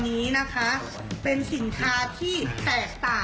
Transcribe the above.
มีความรู้สึกว่ามีความรู้สึกว่า